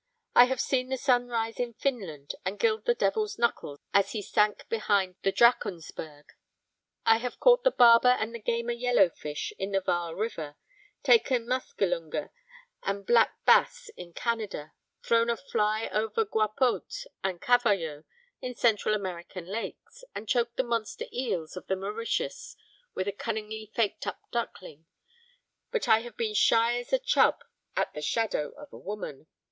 I have seen the sun rise in Finland and gild the Devil's Knuckles as he sank behind the Drachensberg. I have caught the barba and the gamer yellow fish in the Vaal river, taken muskelunge and black bass in Canada, thrown a fly over guapote and cavallo in Central American lakes, and choked the monster eels of the Mauritius with a cunningly faked up duckling. But I have been shy as a chub at the shadow of a woman.